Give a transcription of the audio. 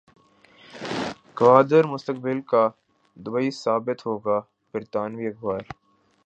گوادر مستقبل کا دبئی ثابت ہوگا برطانوی اخبار